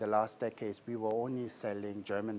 dalam beberapa dekade lalu kami hanya menjual produk jerman